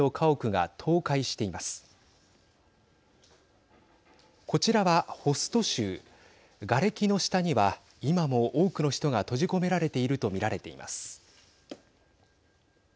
がれきの下には今も多くの人が閉じ込められていると見られています。